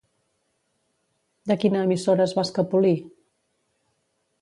De quina emissora es va escapolir?